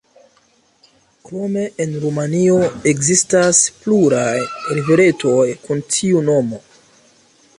Krome en Rumanio ekzistas pluraj riveretoj kun tiu nomo.